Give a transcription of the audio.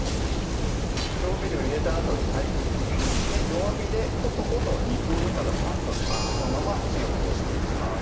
調味料入れたあとにはい弱火でコトコト２分３分このまま火を通していきます